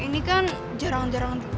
ini kan jarang jarang juga nih